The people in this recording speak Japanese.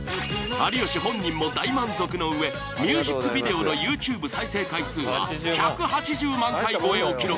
有吉本人も大満足のうえミュージックビデオのＹｏｕＴｕｂｅ再生回数は１８０万回超えを記録。